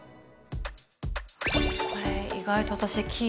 これ意外と私あ